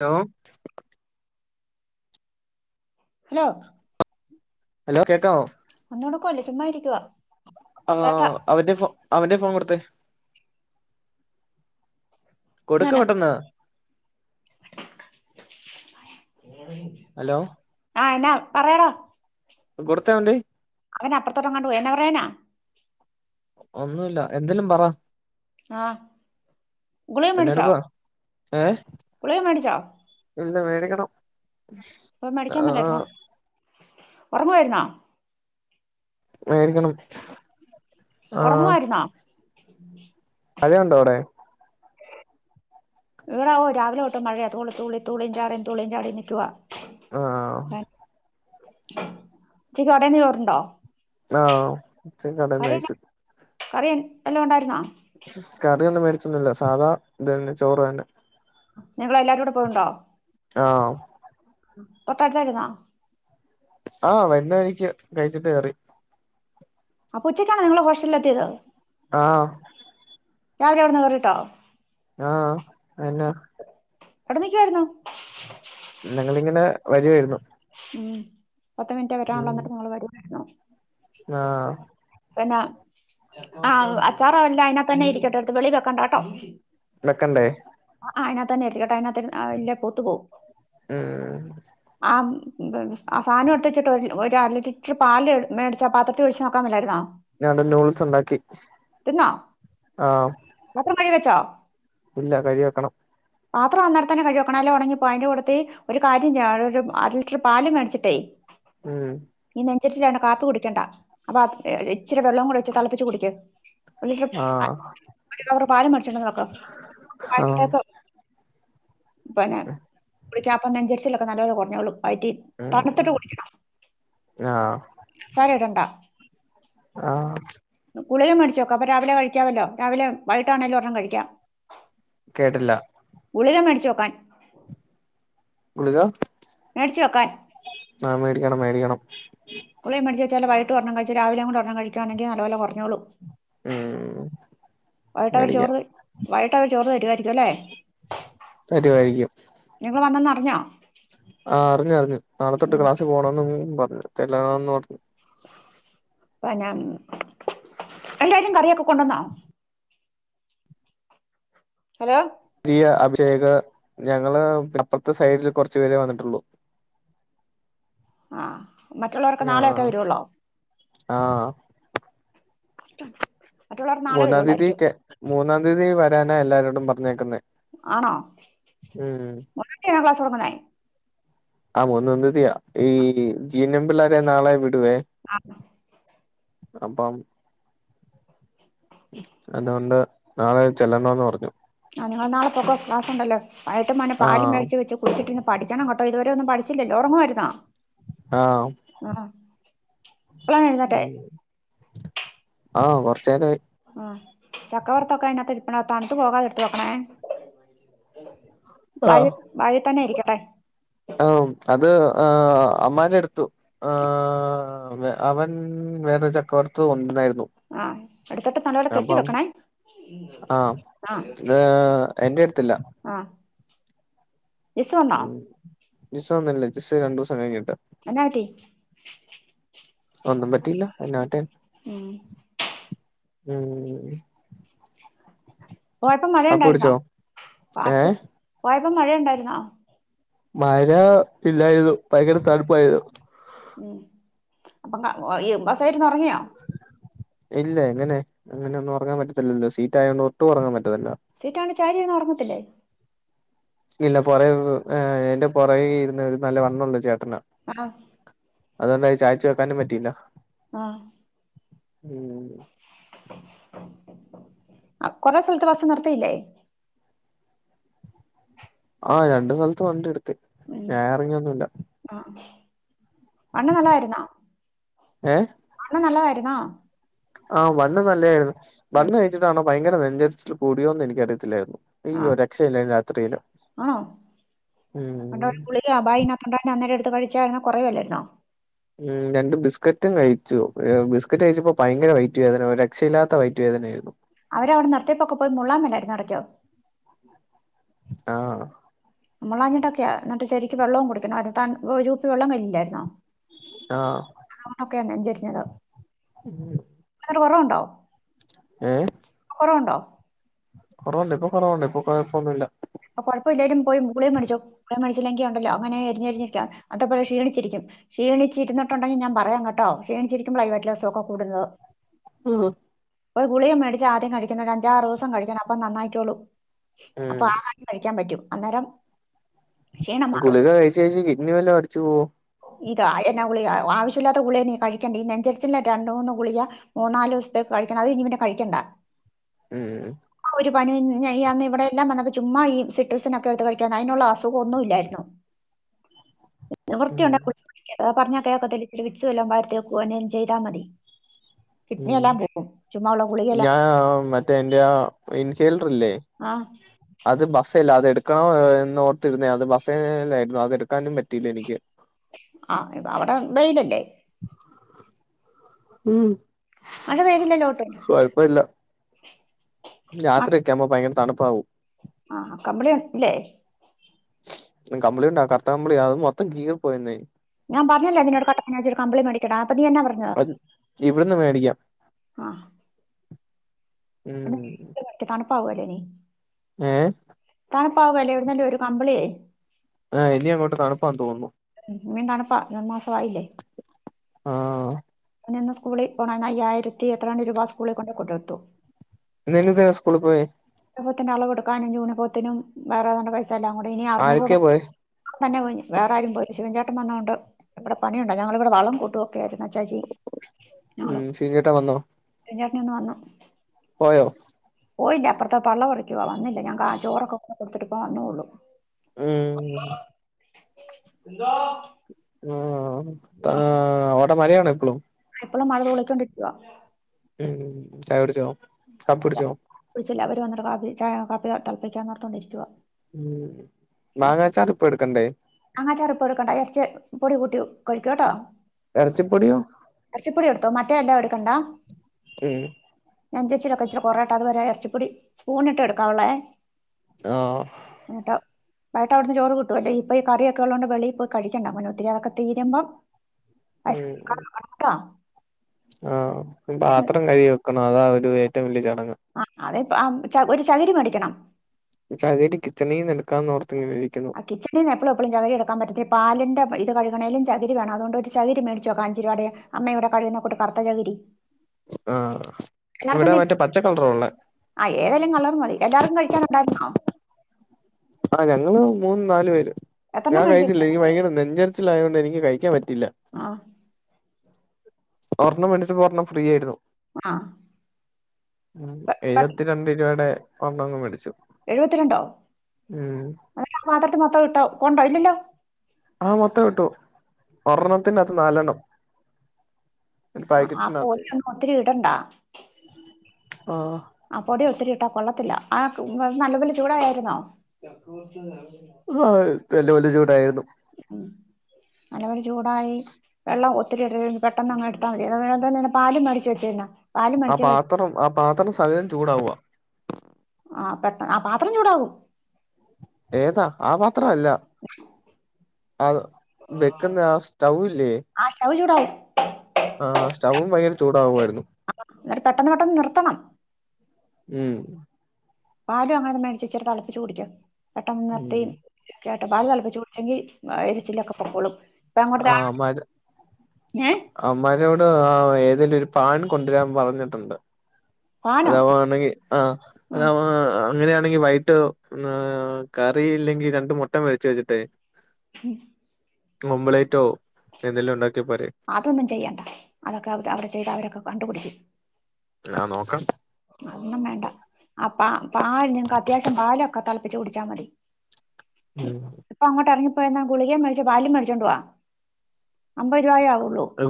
Hello hello hello കേൾക്കാവോ ഒന്നോടക്കല്ലേ ചുമ്മായിരിക്കുവ ആ അവന്റെ ഫോ അവന്റെ ഫോൺ കൊടുതെ കൊടുക്ക എന്നാ പെട്ടന്ന് ഹലോ ആ എന്നാ പറയടാ കൊടുതെ അവന്റെ കയ്യി അവന അപ്പുറത്തോട്ടങ്ങാണ്ട് പോയി എന്നാ പറയാനാ ഒന്നുമല്ല എന്തേലും പറ ആഹ് ഗുളയ എന്നാ മേടിച്ചാ എടുക്കുവാ ഏഹ് ഗുളിയ മേടിച്ചാ ഇല്ല മേടിക്കണം ഇപ്പ മേടിക്കാൻ ആഹ് പാടില്ലായിരുന്നോ ഉറങ്ങുവായിരുന്നോ മേടിക്കണം ഉറങ്ങുവായിരുന്നോ അധികമുണ്ടോ അവിടെ ഇവിടെ രാവിലെ ഓട്ട് മഴയാ തോളി തുളി തുളി തുള്ളിയും ചാടിയും തുള്ളിയും ചാടിയും നിൽക്കുവാ ആ ചക്ക് കടന്ന് ചോറുണ്ടോ ആ ഉച്ചക്ക് കടേന്ന് കഴിച്ചു കറിയൻ എല്ലാം ഉണ്ടായിരുന്നോ കടെനൊന്നും മേടിച്ചൊന്നുമില്ല സാധാ ഇത് തന്നെ ചോറ് തന്നെ ഞങ്ങളെല്ലാരും കൂടെ പോവ്ണ്ടോ ആ തൊട്ടടുതായിരുന്നോ ആ വരുന്ന വഴിക്ക് കഴിച്ചിട്ട് കേറി അപ്പൊ ഉച്ചയ്ക്കാണൊ നിങ്ങൾ ഹോസ്റ്റലിൽ എത്തിയത് ആ രാവിലെ ഇവിട്ന്ന് കേറിട്ടോ ആ അന്നെ എവിട നിക്കുവായിരുന്നു ഞങ്ങളിങ്ങനെ വരുവായിരുന്നു ഉം പത്ത് മിനിറ്റ് [unintelligible] നിങ്ങള് വരോ ആ പിന്നെ ആ് അച്ചാറെല്ലാം അതിനക തന്നെ ഇരിക്കട്ടെ അടുത്ത് വെളി വെക്കണ്ടാട്ടോ വെക്കണ്ടേ ആ അതിനകത്തന്നെ എരിക്കട്ടെ അതിനകത്ത അല്ലെ പൂത്തു പോകും ഉം ആ ആ സാധന എടുത്തിച്ചിട്ട് ഒരു അര ലിറ്റർ പാല് മേടിച്ച പാത്രത്തിൽ ഒഴിച്ച് നോക്കാൻ മേല്ലായിരുന്നോ ഞാൻ ഇന്ന് നൂഡിൽസ് ഉണ്ടാക്കി തിന്നോ ആഹ പാത്രം കഴുകി വെച്ചോ ഇല്ല കഴ്‌വി വെക്കണം. പാത്രം അന്നേരത്തന്നെ കഴ്‌വിവെക്കണം അല്ലെ ഉണങ്ങിപ്പോ അതിന്റെ കൂടുത്തി ഒരു കാര്യം ചെയ്യ അ റ്റർ പാൽ മേടിച്ചിട്ടേ ഉം നെഞ്ചരിച്ചലാണെ കാപ്പി കുടിക്കണ്ട അപ്പൊ ഇച്ചിരി വെള്ളം കൂടി വെച്ച് തിളപ്പിച്ച് കുടിക്ക് ഒരുലിറ്റ്ർ അ ആഹ് ഒരു കവറ് പാല് മേടിച്ചിണ്ട് ആഹ് വന്നുവക്ക പിന്നെ കുളിക്കാപ്പൊനെഞ്ചരിച്ചിലൊക്കെ നല്ലപോലെ കുഞ്ഞോള്ളും വൈറ്റ് ടീ തണുത്തിട്ട് ഉം കുടിക്കണം സാര ഇടണ്ടാ ആ ഉളിക മേടിച്ചോക്കാം അപ്പൊ രാവിലെ കഴിക്കാമല്ലോ രാവിലെ വൈകട്ടാണെലും ഒരെണ്ണം കഴിക്കാം കേട്ടില്ല ഉളിക മേടിച്ചുവെക്കാൻ കുളികാ മേടിച്ചു വെക്കാൻ ണം മേടിയണം വൈട്ട് ഒരെണം കഴിച്ച് രാവിലെ കൂടെ ഒരെണ്ണം കഴിക്കുവാന്നെങ്കി നല്ലപോലെ കുറഞ്ഞോളും ഉം വൈകിട്ടവര് ചോർ മേടിക്കാം വൈകിട്ടവര് ചോർ തരുമായിരിക്കുംല്ലേ തരുവായിരിക്കും ഞ്ഞാ ആ അറിഞ്ഞു അറിഞ്ഞു നാളെ തൊട്ട് ക്ലാസ് പോണെന്നും പറഞ്ഞു ചെല്ലാനോർത് അ ഞാൻ എല്ലാരും കറിയൊക്കെ കൊണ്ടുവന്ന ഹലോ പുതിയ അഭിഷേക് ഞങ്ങള് അപ്പുറത്തെ സൈഡിൽ കുറച്ചു പേരെ വന്നിട്ടുള്ളു ആ മറ്റുള്ളവരൊക്കെ നാളെയൊക്കെ ആഹ് വരുവള്ളോ ആഹ് കഷ്ടം മൂന്നാം തീയതി കെ മൂന്നാം തീയതി വരാനാ എല്ലാരോടും പറഞ്ഞേക്കുന്നെ ആണോ മ [unintelligible] ളാസ് തുടങ്ങുന്നെ ആ മോന്ന് എന്ത് ചെയ്യ ഈ ജി എൻ എം പിള്ളേരെ നാളെ വി ആ അപ്പം അതുകൊണ്ട് നാളെ ചെല്ലണ്ടന്ന് പറഞ്ഞു ആ നിങ്ങൾ നാളെക്കെ ക്ലാസ്ണ്ടല്ലോയട്ട് മനെ പാല് ആഹ് മേടച്ച് വെച്ച് കുിച്ചിട്ട് ഇന്ന് പഠിക്കണംട് ഇതുവരെ ഒന്നും പഠിച്ചില്ലല്ലോ ഉറങ്ങുമായിരുന്നോ? ആഹ് ആ അ എന്താട്ടെ ആഹ് കുറച്ച് നേരായി ചക്കവുറത്തൊക്കെ അതിനകത്ത് ഇപ്പണ തണു പോകാതെടുത്ത വോക്കണേ വാഴ വാഴ തന്നെയിരിക്കട്ടെ ആ അത് അമ്മാന്റെ എടുത്തു ആ.. അവൻ വേറെ ചക്കവരത്ത് കൊണ്ടന്നായിരുന്നു ആഹ് അടുത്തിട്ട് തലോല കെട്ടി വെക്കണേ ആ ആ ഇത് എന്റെ അടുത്തില്ല ജിസ വന്ന? ജിസ വന്നില്ല ജിസ്സ രണ്ടിസം കഴിഞ്ഞിട്ട് എന്നനാ പറ്റി? ഒന്നും പറ്റിയില്ല എന്നാ പറ്റേൻ. ഉം ഉം കുഴപ്പം അപ്പു കുടിച്ചോ മറയാണ്ടടാം ഏഹ് പഴ അ മഴയുണ്ടായിരുന്നോ? മഴ ഇല്ലായിരുന്നു ഭയങ്കര തണുപ്പായിരുന്നു. ഉം അപ്പം ബസ്സേയിരുന്നു ഉറങ്ങിയാ? ഇല്ല എങ്ങനെ അങ്ങനെ ഒന്നും ഉറങ്ങാൻ പറ്റത്തില്ലല്ലോ സീറ്റായത കൊണ്ട് ഒട്ടും ഉറങ്ങാൻ പറ്റില്ല സീറ്റയോണ്ട് ചാരിൊന്നും ഉറങ്ങത്തില്ലേ? ഇല്ല പുറേ എന്റെ പുറേ ഇരുന്ന ഒരു നല്ല വണ്ണം ഉള്ള ചേട്ടനാ ആഹ് അതൊന്ന ചായച്ചു വെക്കാനും പറ്റിയില്ല ആ ഉം ആ കൊറെ സ്ഥലത്ത് ബസ് നിർത്തിയില്ലേ? ആ രണ്ടു സ്ഥലത്ത് വണ്ടി നിർത്തി ഉം ഞാൻ ഇറങ്ങിയൊന്നുമല്ല മണ് നല്ലായിരുന്നാ ഏഹ് മണ്ണ നല്ലതായിരുന്നാ [inaudible] ആഹ് വന്ന് നല്ലതായിരുന്നു വന്ന് കഴിച്ചിട്ടാണോ ഭയങ്കര വെഞ്ചരിച്ചൽ കൂടിയോ എന്ന് എനിക്കറിയത്തില്ലായിരുന്നു ആ അയ്യോ രക്ഷയില്ല രാത്രിയിലോ ഗുളിക ഭായിന്നത്തൊണ്ട അന്നേരം എടുത്ത് കഴിച്ച കുറവല്ലരുന്നോ? ഉം രണ്ട് ബിസ്കറ്റും കഴിച്ചു ബിസ്കക്കറ്റ് കഴിച്ചപ്പോ ഭയങ്കര വൈറ്റ് വേദന രക്ഷയില്ലാത്ത വൈറ്റ് വേദനയായിരുന്നു. അവരവിടെ നിർത്തിയപ്പൊക്ക പോയി മുള്ളാമേലായിരുന്നു ഇടയ്ക്ക് ആ നമ്മൾ അഞ്ഞിട്ടൊക്കെയാ എന്നിട്ട് ശരിക്ക് വെള്ളവും കുടിക്ക ഒരുപ്പി വെള്ളം കഴില്ലരുന്നോ? ആ ക്കെയഞ്ചരിഞ്ഞത് ഉം കുറവുണ്ടോ? ആഏ ണ്ടോ കുറവുണ്ട് ഇപ്പൊ കുറവുണ്ട് ഇപ്പൊ കുഴപ്പൊന്നുല്ല അപ്പൊഴപ്പമില്ലല്ലാലും പോയി മുകളള മടിച്ചോള മടിച്ചില്ലെങ്കിൽ ഉണ്ടല്ലോ അങ്ങനെ എരിഞ്ഞഞ്രിഞ്ഞിരിക്ക അതപല ക്ഷീണിരിക്കും ക്ഷീണിച്ചിരുന്നിട്ടുണ്ടെങ്കിൽ ഞാൻ പറയാം കേട്ടോ ക്ഷീണിച്ചിരിക്കുമ്പോളായിയി കൂടുന്നത് ആ ഒരു ഗുളിയും മേടിച്ച് ആദ്യം കഴിക്കണം അഞ്ചാറ് ദിവസം കഴിക്കണം അപ്പൊ നന്നായിാക്കിയുള്ളൂ അപ്പൊ ആ- ൻ പറ്റും അന്നേരം ക്ഷീണം മാറും ഗുളിക കഴിച്ച കഴച്ച് കിഡ്നി വല്ല അടിച്ചു പോവോ? ഇത എന്നാ ഗളിക ആവശ്യമില്ലാത്ത ഗുള നീ കഴിക്കണ്ട നഞ്ചരിില്ല രണ്ട മൂന്ന് ഗളികാ മൂന്നാല് ദിവസത്തേക്ക് അത് ഇനി പിനെ കഴിക്കണ്ട ഉം ആ ഒരു പണിന്ന് ഇവിടെല്ലാം ചുമ്മാ ഈ സിറ്റസിനക്കെ എടുത്ത് കഴിക്കാ അതിനുള്ള അസുഖം ഒന്നും ഇല്ലായിരുന്നു ഉം വൃത്തിയുണ്ട പറഞ്ഞാ കേൾക്കല്ല ഇച്ചരി വിിച്ചുവല്ലാം ഭാര്രത്തേക്കുന്നെും ചെയ്താൽ മതി ഉം കിഡ്നിെല്ലാം പോകും ചുമ് ഉള്ള ഗളികല്ലാം ൻല്ലേ ആ അത് ബസല്ല അ എ എടുക്കണ എന്ന് ഓർത്തിരുന്നേ അത് ബസ്സല്ലായിരുന്നു അത എടുക്കാനും പറ്റിയില്ല എനിക്ക് ആ ഇപ്പ അവിടെ വെയിലല്ലേ ഉ [unintelligible] ഉം അനെ വേകില്ലല്ലോോട്ടെ യാത്രയൊക്കെ ആുമ്പോ ഭയങ്കര തണുപ്പാവും ആ കമ്പളി ഇല്ലേ കമ്പിളിണ്ടാ കറത്ത കമ്പളി അ മൊത്തം കീറി പോയിന്നേ ഞാൻഞ്ഞില്ല ഇതിനോട് കട്ടൻ ഒരു കമ്പിളി മേടി പതിന്നാ പറഞ്ഞത് അത് ഇവിടുന്ന് മേടിക്കാം ആ ഉം പാവലിന ആഏ തണ പാവല്ലേ ഇവിടുന്നല്ല ഒരു കമ്പളിയേ ആഹ് ഇിയ മുട്ട് തണപ്പാ അ തോന്നുന്നു പി തണപ്പാ രണ്ട് മാസ ആയില്ലേ ആ പി സ്കൂളിൽ പോ അയ്യായിരത്തി എത്രണ്ട് രൂപ സ്കൂളിൽ കൊണ്ടണ്ട് കൊണ്ടുവടുത്തു നിനതിനേന സ്കൂൾ പോയി പ്പത്തിന്റെ അളവ് കൊടുക്കാനൻൂണിപ്പത്തിനും വേറെ താ പൈസല്ല അൂടെ ഇനി അറുന്നൂറ് ആരൊക്കെയാ പോയേ കൊക്കും തന്നെ പോ വേ ആാരും പോയി ശിവൻചാട്ട വന്ന കൊണ്ട് ഇവിടെ പണിയണ്ട ഞങ്ങള ഇവിടെള കൂട്ടൊക്ക ആയിരുന്നു നച്ചാച്ചി ള ഉം ഷിജുവേട്ടൻ വന്നോ എ ചാട്ടിന ഒന്ന് വന്ന പോയോ പോയില്ല അപ്പറത്തെ പള്ള പൊടിക്ക പോവാ വന്നില്ല ഞാ ചോറൊക്കെ ഒെ കൊടുട്ട് വന്നോള്ളു ഉം എന്തോ ആ ആ അവിടെ മരയാാണ് എപ്പളും എപ്പോളും മഴത്ൊളിക്കൊണ്ടിരിക്കുവ ഉം ചായ പിടിച്ചോ കപ്പ് പിടിച്ചോ ച അവർ വന്നിട്ട കാ കാപ്പിക തൽപപ്പിക്കാൻ നടർത്തുകൊണ്ടരിക്കുക ഉ നങ്ങച്ചാത് ഇപ്പ എടുക്കണ്ടേ അങ്ങന ചെറുപ്പൊ എടുക്കണ്ട ഇറച്ച പൊടി കൂട്ടി കഴിക്കൂട്ടോ ഇടച്ചിപ്പൊടിയും ല്ല എവിടുക്കണ്ട ഉ നഞ്ചച്ചിലൊക്കെ ഇച്ചിരി കൊറേട്ട അത് വരെ ഇറച്ചിപ്പൊടി സ്പൂണിട്ട് എടുക്കാവുള്ളേ ആ ബയട്ട് അവിടുന്ന് ചോറ് കിട്ട അല്ല ഇൊ ഈറിയൊക്കെ ഉള്ളോൊ വെളിയി കഴിക്കണ്ട അങ്ങന ഒത്തിരി അൊക്കെ തീരുമ്പം അ [unintelligible] ആ പാത്രം കരി വെക്കണം അതാ ഒരു ഏറ്റവും വലിയ ചടങ്ങ് ആ അതിപ്പോ ആ ഒരു ചകരിമേടിക്കണം സഹകരിരിക്ക ഇച്ചണയും എടുക്കാം ആ കിച്ചണിൽന്ന് എഴും എപ്പോഴും ചകരി എടുക്കാൻ പറ്റത്തില്ല പിന്റെ ഇത് കഴുകണേലും [unintelligible] ചകരി വേണം അതൊ ചകരിേടിച്ചോ കാഞ്ചരിൂ അടെ അമ്മവിടെ കഴിയുന്നട്ട കത്ത ചകരി ആ ഇവിടെ തി- മറ്റേ പച്ചക്കളറ ഉള്ള ആ ഏതെലും കളർ മതി എല്ലാർക്കും കഴിക്കാനൊണ്ടായിര്ന്നോ? ആ ഞങ്ങള് മൂന്ന് നാലു പേര് ഞാൻ എത്രണ്ണം മേടിച്ചു കഴിച്ചില്ല എനിക്ക് ഭയങ്കര നെഞ്ഞെരിച്ചിലായോണ്ട് എനിക്ക് കഴിക്കാൻ പറ്റീല്ല. ആ ഒർണ്ണം മേടിച്ചപ്പോ ഒർണ്ണം ഫ്രീ ആയിരുന്നു. ആ ഉം പെ- പെ- എഴുപത്തിരണ്ട് രൂപേടെ ഒരെണ്ണങ്ങ് മേടിച്ചു. എഴുപത്തിരണ്ടോ ഉം [unintelligible] മാത്രത്തി മൊത്തം കിട്ടോ കൊണ്ടോ ഇല്ലല്ലോ? ആ മൊത്ത കിട്ടു ഒർണ്ണത്തിന്റാത്ത് നാലെണ്ണം. ഒരു ആ പാക്കറ്റിനകത്ത് പൊടിയൊന്നു ഒത്തിരി ഇടണ്ടാ. ആ. ആ പൊടി ഒത്തിരി ഇട്ടാ കൊള്ളത്തില്ല ആ നല്ലപോല ചൂടായാർന്നോ? [unintelligible] വല്യ വല്യ ചൂടായിർന്നു. നല്ലവല ചൂടായി വെള്ളം [inaudible] പെട്ടെന്നങ്ങ് എട്ത്താ മതി [unintelligible] പാലും മേടിച്ച് വെച്ചിന്ന ആ പാത്രം ആ പാത്രം സഹിതം ചൂടാവുവ. ആ പെട്ട ആ പാത്രം ചൂടാകും. ഏതാ? ആ പാത്രവല്ല. ആ വെക്കുന്ന ആ സ്റ്റൗവില്ല്യേ? ആ സ്റ്റൗ ചൂടാവും ആ സ്റ്റൗവും ഭയങ്കര ചൂടകുവായിരുന്നു. എന്നിട്ട് പെട്ടെന്ന് പെട്ടെന്ന് നിർത്തണം ഉം. പാലും അങ്ങനെ മേടിച്ചെച്ചിരി തെളപ്പിച്ച് കുടിക്കാ പെട്ടെന്ന് നിർത്തി ഉം കേട്ട് പാല് തെളപ്പിച്ച് കുടിച്ചെങ്കീ എരിച്ചിലൊക്കെ പോക്കോളും. ആ അവമ്മാര്, ഏ അവമ്മാരോട് ആ ഏതേലു ഒരു പാൻ കൊണ്ടുവരാൻ പറഞ്ഞിട്ടൊണ്ട് ഫാനോ അതവാണെങ്കീ ആ ഉം അതവാ അങ്ങനെയാണെങ്കി വൈട്ട് കറി ഇല്ലെങ്കി രണ്ട് മൊട്ട പൊരിച്ചു വച്ചിട്ടേ ഉം. മുമ്പ്ളേറ്റോ അതൊന്നും ചെയ്യണ്ട, അതൊക്കെ അവടെ ചെയ്താ അവരൊക്കെ കണ്ടുപിടിക്കും. ആ നോക്കാം. അതൊന്നും വേണ്ട ആ പ പാൽ നിങ്ങക്ക് അത്യാവശ്യം പാലൊക്കെ തെളപ്പിച്ച് കുടിച്ചാ മതി. ഉം പ്പങ്ങേട്ടെറങ്ങി ആ ഗുളികേം മേടിച്ച് പാലും മേടിച്ചോണ്ട് വാ, അമ്പത് രൂപായോ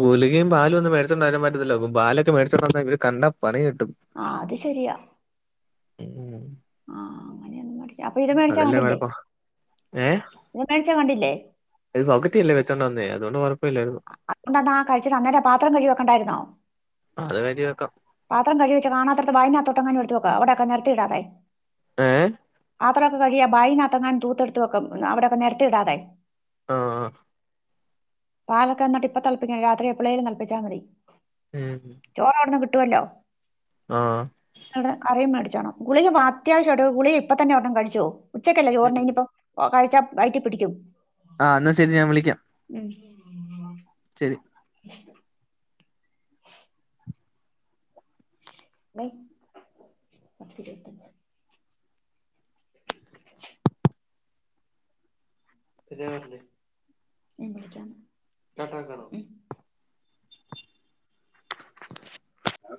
ഗുലികേം പാലൊന്നും മേടിച്ചോണ്ടെരാൻ പറ്റത്തില്ല, പാലൊക്കെ മേടിച്ചോണ്ടന്നാ ഇവര് കണ്ടാ പണികിട്ടും. ആ അത് ശെരിയാ. ഉം. ആ അങ്ങനെയൊന്നും അപ്പൊ ഇത് മേടിച്ചാ കണ്ടില്ലേ? ഏ ഇത് മേടിച്ചാ കണ്ടില്ലേ ഇത് പോക്കറ്റേല്ലേ വെച്ചോണ്ട് വന്നേ അതുകൊണ്ട് കുഴപ്പമില്ലായിരുന്നു അതുകൊണ്ടതാ കഴിച്ചിട്ട അന്നേരെ പാത്രം കഴകിവെക്കണ്ടാർന്നോ? അത് കരുതി വെക്കാം പാത്രം കഴികിവെച്ച കാണാത്തടത്ത് ബാഗിനകത്തോട്ടെങ്ങാനും എടുത്ത് വക്ക് അവിടൊക്കെ നിരത്തിയിടാതെ. ഏ? പാത്രൊക്കെ കഴികി ആ ബാഗിനത്തെങ്ങാനും തൂത്തെടുത്ത് വെക്ക് അവിടൊക്കെ നിരത്തിടാതെ. ആ ആ. പാലൊക്കെന്നിട്ട് ഇപ്പ തെളപ്പിക്ക രാത്രി എപ്പളേലും തെളപ്പിച്ചാ മതി. ഉം. [unintelligible] ആഹ് അറിയൻ [unintelligible] ഗുളിക അത്യാവശ്യായിട്ട് ഗുളിക ഇപ്പ തന്നെ ഒരെണം കഴിച്ചോ ഉച്ചക്കല്ലേ ചോറുണ്ണാ ഉം ഇനീപ്പോ വയറ്റി പിടിക്കും. ആ എന്നാ ശെരി ഞാൻ വിളിക്കാം. ഉം. ശെരി. [unintelligible] [inaudible] ഇ കട്ടോ [inaudible] അം